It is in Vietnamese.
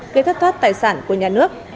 gây thất thoát tài sản của nhà nước